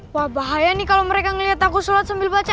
wah bahaya nih kalau mereka ngeliat aku sholat sambil baca